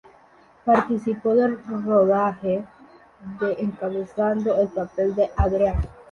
Participó del rodaje de encabezando el papel de Adrián.